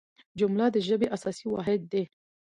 جمله د ژبي اساسي واحد دئ.